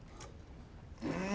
うん。